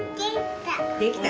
できた。